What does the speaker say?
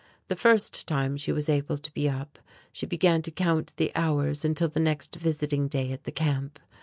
The first time she was able to be up, she began to count the hours until the next visiting day at the Camp.